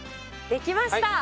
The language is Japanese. できました。